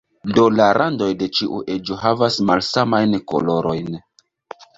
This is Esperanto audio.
Do la randoj de ĉiu eĝo havas malsamajn kolorojn.